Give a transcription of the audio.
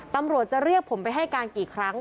ตำรวจจะเรียกผมไปให้การกี่ครั้ง